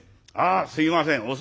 ああすいません。